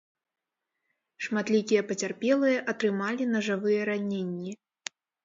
Шматлікія пацярпелыя атрымалі нажавыя раненні.